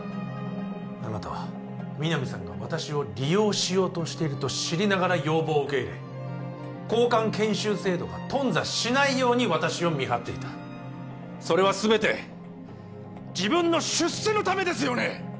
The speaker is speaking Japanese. あなたは皆実さんが私を利用しようとしていると知りながら要望を受け入れ交換研修制度が頓挫しないように私を見張っていたそれはすべて自分の出世のためですよね！